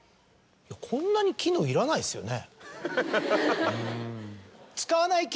こんなに機能いらないですよね。